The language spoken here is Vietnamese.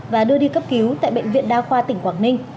và đưa đi cấp cứu tại bệnh viện đa khoa tỉnh quảng ninh